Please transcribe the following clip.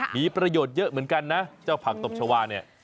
มีประโยชน์เยอะเหมือนกันนะเจ้าผักตบชาวาเนี่ย